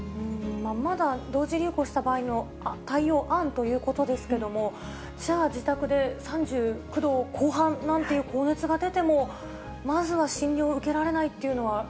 まだ同時流行した場合の対応案ということですけれども、じゃあ、自宅で３９度後半なんていう高熱が出ても、まずは診療受けられな